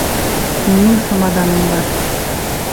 Минең сумаҙаным бар